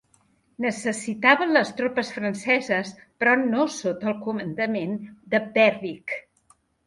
Necessitaven les tropes franceses, però no sota el comandament de Berwick.